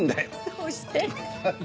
どうして？